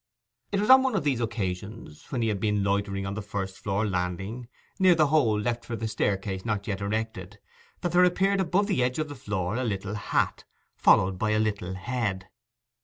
It was on one of these occasions, when he had been loitering on the first floor landing, near the hole left for the staircase, not yet erected, that there appeared above the edge of the floor a little hat, followed by a little head.